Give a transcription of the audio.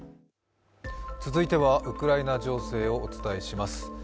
続いては、ウクライナ情勢をお伝えします。